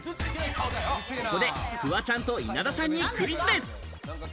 ここでフワちゃんと稲田さんにクイズです。